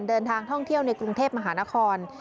เดินทางท่องเที่ยวในกรุงเทพมหานคร